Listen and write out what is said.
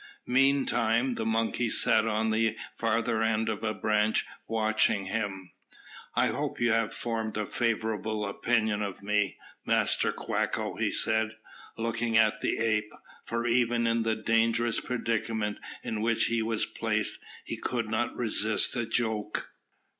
Meantime the monkey sat on the farther end of a branch watching him. "I hope you have formed a favourable opinion of me, Master Quacko," he said, looking at the ape, for even in the dangerous predicament in which he was placed he could not resist a joke.